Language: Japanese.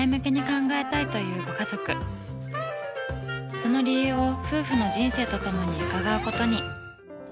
その理由を夫婦の人生と共に伺うことに。